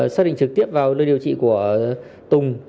xác định trực tiếp vào nơi điều trị của tùng